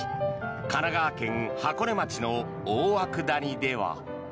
神奈川県箱根町の大涌谷では。